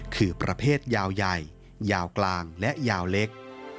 คือประเภทยาวใหญ่ยาวกลางและยาวเล็ก